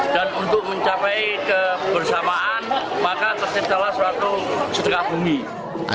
dan untuk mencapai kebersamaan maka tersebut adalah suatu setengah berharga